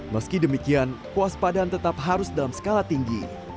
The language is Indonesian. meski demikian kuas padan tetap harus dalam skala tinggi